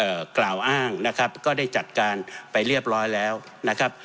กล่าวอ้างนะครับก็ได้จัดการไปเรียบร้อยแล้วนะครับ